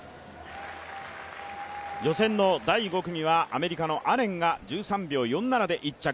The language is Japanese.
予選の第５組はアメリカのアレンが１３秒４７で１着。